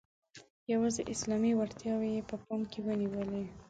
یوازي اسلامي وړتیاوې یې په پام کې ونیولې.